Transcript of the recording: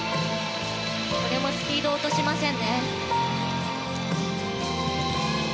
これもスピードを落としません。